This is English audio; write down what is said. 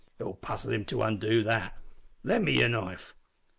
It'll puzzle him to undo that. Lend me your knife."